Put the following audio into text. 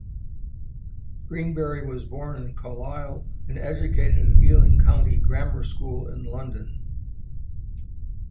Greenbury was born in Carlisle and educated at Ealing County Grammar School in London.